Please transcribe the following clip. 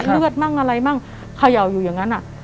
มั่งอะไรมั่งเขย่าอยู่อย่างนั้น